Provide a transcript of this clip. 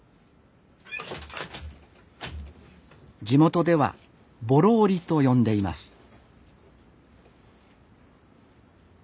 地元では「ぼろ織り」と呼んでいます